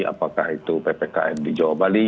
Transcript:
apakah itu ppkm di jawa bali